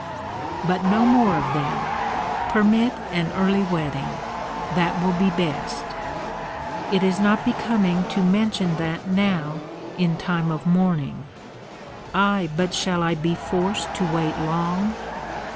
But no more of them. Permit an early wedding; that will be best." "It is not becoming to mention that now, in time of mourning." "Ai, but shall I be forced to wait long?"